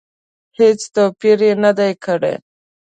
هېڅ توپیر یې نه دی کړی.